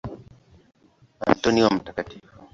Antoni wa Mt.